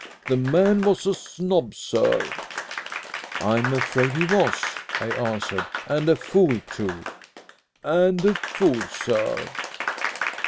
The man was a snob, sir." "I am afraid he was," I answered; "and a fool too." "And a fool, sir.